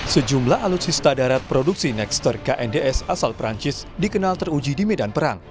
sejumlah alutsista darat produksi nexster knds asal perancis dikenal teruji di medan perang